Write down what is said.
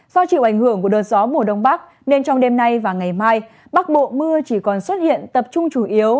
do chịu ảnh hưởng của đợt gió mùa đông bắc nên trong đêm nay và ngày mai bắc bộ mưa chỉ còn xuất hiện tập trung chủ yếu